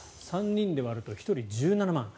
３人で割ると１人１７万円。